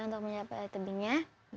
untuk mencapai tebingnya